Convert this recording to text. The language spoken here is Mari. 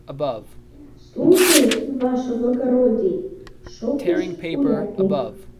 — Слушаюсь, ваше благородий! — шоктыш урядник.